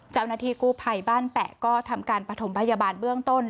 เจ้าหน้าที่กู้ภัยบ้านแปะก็ทำการปฐมพยาบาลเบื้องต้น